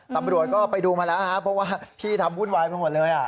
ตำรวจก็ไปดูมาแล้วครับเพราะว่าพี่ทำวุ่นวายไปหมดเลย